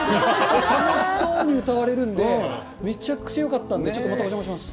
楽しそうに歌われるんで、めちゃくちゃよかったんで、またお邪魔します。